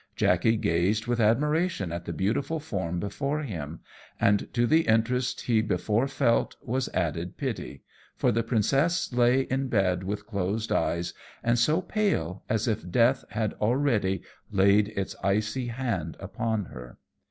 Jackey gazed with admiration at the beautiful form before him; and to the interest he before felt was added pity, for the princess lay in bed with closed eyes and so pale as if death had already laid its icy hand upon her.